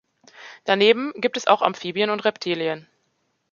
Daneben gibt es auch Amphibien und Reptilien.